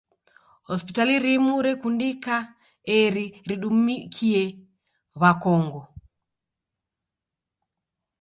Hospitali rimu rekundika eri kudumikia w'akongo.